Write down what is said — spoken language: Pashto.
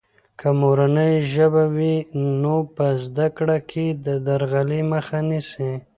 که مورنۍ ژبه وي، نو په زده کړه کې د درغلي مخه نیسي.